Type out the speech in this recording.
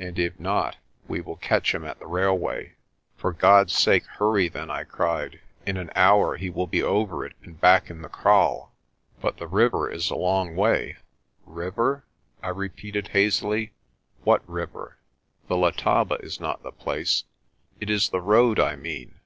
And if not, we will catch him at the railway." "For God's sake, hurry then," I cried. "In an hour he will be over it and back in the kraal." ARCOLL'S SHEPHERDING 219 T) "But the river is a long way.' "River?" I repeated hazily. "What river? The Letaba is not the place. It is the road I mean."